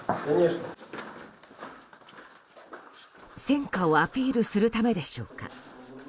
戦果をアピールするためでしょうか。